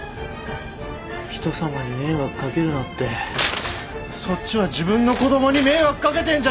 人様に迷惑かけるなってそっちは自分の子供に迷惑かけてんじゃねえか！